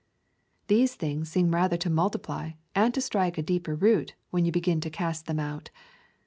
These sins seem rather to multiply and to strike a deeper root when you begin to cast them out.